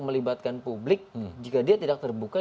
melibatkan publik jika dia tidak terbuka